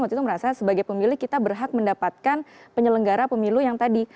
waktu itu merasa sebagai pemilih kita berhak mendapatkan penyelenggara pemilu yang tadi